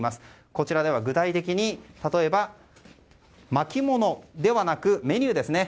こちらでは具体的に、例えば巻き物ではなく、メニューですね。